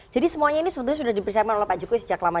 jadi semuanya ini sebenarnya sudah diperseman oleh pak jokowi sejak lama